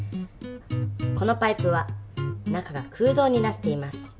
このパイプは中が空どうになっています。